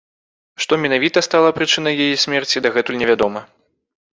Што менавіта стала прычынай яе смерці, дагэтуль не вядома.